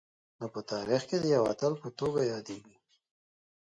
نو په تاریخ کي د یوه اتل په توګه یادیږي